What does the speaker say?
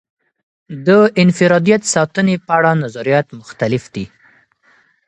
د انفرادیت ساتنې په اړه نظریات مختلف دي.